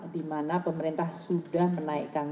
di mana pemerintah sudah menaikkan